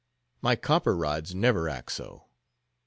My copper rods never act so.